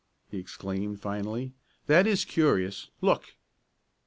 he exclaimed, finally, "that is curious. Look!"